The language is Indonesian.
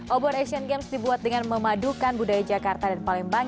obor asian games dibuat dengan memadukan budaya jakarta dan palembang